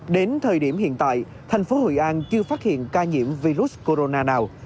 đến thời điểm hiện tại thành phố hội an chưa phát hiện ca nhiễm virus corona nào